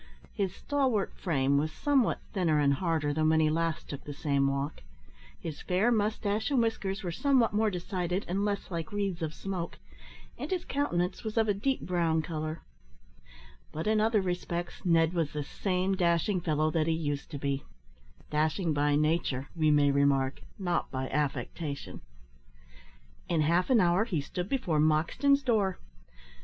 His stalwart frame was some what thinner and harder than when he last took the same walk; his fair moustache and whiskers were somewhat more decided, and less like wreaths of smoke, and his countenance was of a deep brown colour; but in other respects Ned was the same dashing fellow that he used to be dashing by nature, we may remark, not by affectation. In half an hour he stood before Moxton's door.